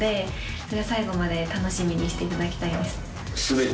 それを最後まで楽しみにしていただきたいです。